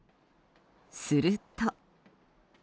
すると。